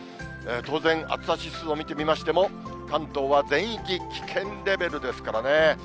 当然、暑さ指数を見てみましても、関東は全域危険レベルですからね。